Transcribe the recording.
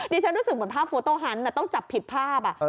ฉันรู้สึกเหมือนภาพโฟโต้ฮันต์ต้องจับผิดภาพ